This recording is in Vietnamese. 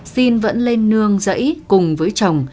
xin vẫn lên nương dẫy cùng với chồng